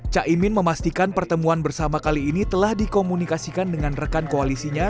caimin memastikan pertemuan bersama kali ini telah dikomunikasikan dengan rekan koalisinya